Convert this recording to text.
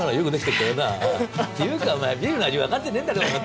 っていうかお前ビールの味分かってねえんだろ。